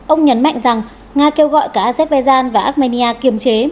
ông nhấn mạnh rằng nga kêu gọi cả azerbaijan và armenia kiềm chế